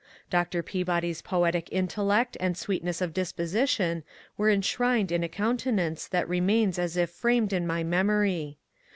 Dr. Peabody's poetic intellect and sweetness of disposition were enshrined in a countenance that remains as if framed in my memory.